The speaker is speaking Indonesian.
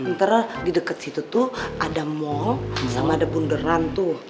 ntar di dekat situ tuh ada mall sama ada bunderan tuh